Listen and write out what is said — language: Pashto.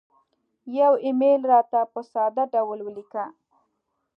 یو ایمیل راته په ساده ډول ولیکه